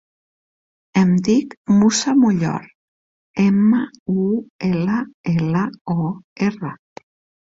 Em dic Musa Mullor: ema, u, ela, ela, o, erra.